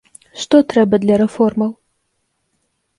Што трэба для рэформаў?